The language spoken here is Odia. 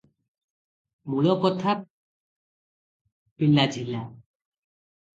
ମୂଳକଥା ପିଲାଝିଲା ।